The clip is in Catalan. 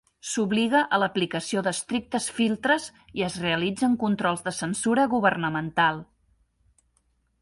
S'obliga a l'aplicació d'estrictes filtres i es realitzen controls de censura governamental.